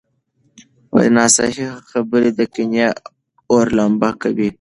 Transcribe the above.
ناصحيح خبرې د کینې اور لمبه کوي.